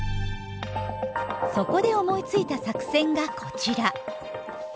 そこで思いついた作戦がこちら。